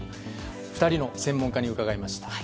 ２人の専門家に伺いました。